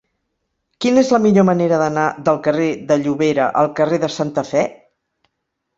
Quina és la millor manera d'anar del carrer de Llobera al carrer de Santa Fe?